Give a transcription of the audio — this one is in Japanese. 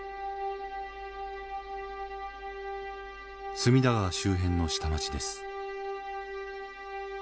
隅田川周辺の下町です。